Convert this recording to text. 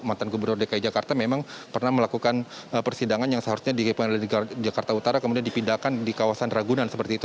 mantan gubernur dki jakarta memang pernah melakukan persidangan yang seharusnya dikepung oleh jakarta utara kemudian dipindahkan di kawasan ragunan seperti itu